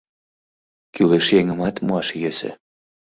Кӱлеш еҥымат муаш йӧсӧ.